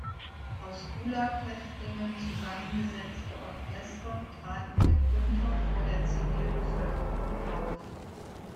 Aus Gulag-Häftlingen zusammengesetzte Orchester traten mitunter vor der Zivilbevölkerung auf.